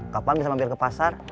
kapan bisa mampir ke pasar